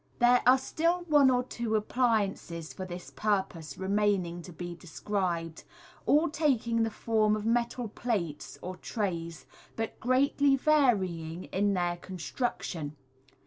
There are still one or two appliances for this pur pose remaining to be described, all taking the form of metal plates or trays, but greatly varying in their construction.